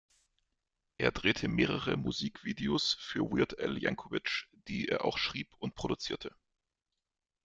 Er drehte mehrere Musikvideos für Weird Al Yankovic, die er auch schrieb und produzierte.